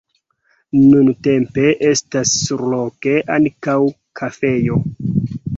Nuntempe estas surloke ankaŭ kafejo.